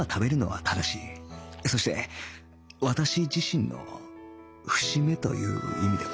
そして私自身の節目という意味でも